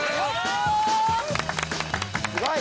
すごい！